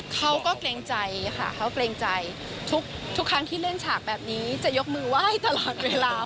เกรงใจค่ะเขาเกรงใจทุกครั้งที่เล่นฉากแบบนี้จะยกมือไหว้ตลอดเวลา